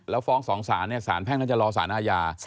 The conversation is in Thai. แล้วฟ้อง๒ศาสตร์ศาสตร์แพ่งจะรอศาสตร์อาญา